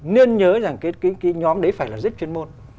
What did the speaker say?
nên nhớ rằng cái nhóm đấy phải là rất chuyên môn